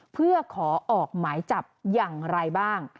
เพื่อขอออกหมายจับอย่างไรบ้าง